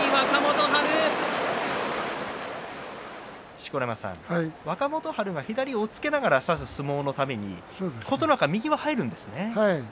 錣山さん、若元春が左を押っつけながら差す相撲のために琴ノ若は右が入るんですね。